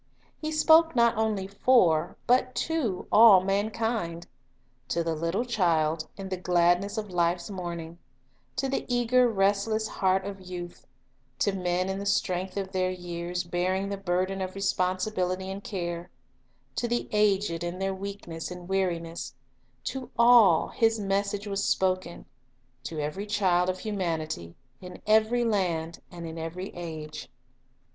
He spoke not only for, but to, all mankind. To the little child, in the gladness of life's morning; to the eager, restless heart of youth ; to men in the strength of their years, bearing the burden of responsibility and care; to the aged in their weakness and weariness, — to all, His message was spoken, — to every child of humanity, in every land and in every age.